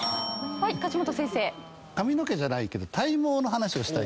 はい梶本先生。